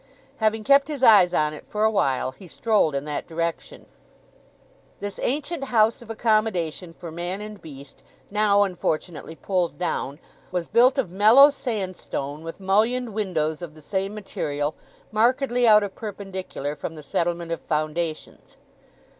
Having kept his eyes on it for a while he strolled in that direction. This ancient house of accommodation for man and beast, now, unfortunately, pulled down, was built of mellow sandstone, with mullioned windows of the same material, markedly out of perpendicular from the settlement of foundations.